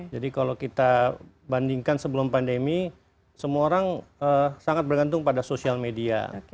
jadi kalau kita bandingkan sebelum pandemi semua orang sangat bergantung pada sosial media